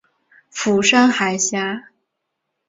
釜山海峡。